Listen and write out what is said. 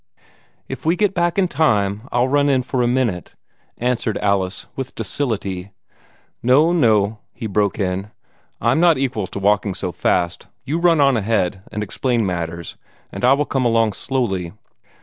"If we get back in time, I'll run in for a minute," answered Alice, with docility. "No no," he broke in. "I'm not equal to walking so fast. You run on ahead, and explain matters, and I will come along slowly."